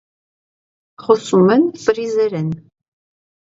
Խոսում են ֆրիզերեն։